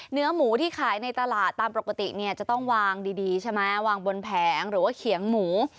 เนื้อหมูที่ขายในตลาดตามปกติเนี่ยจะต้องวางดีใช่ไหมวางบนแผงหรือว่าเขียงหมู